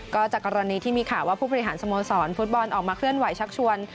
ก็จากกรณีที่มีข่าวว่าผู้บริหารสโมสรฟุตบอลออกมาเคลื่อนไหวชักชวน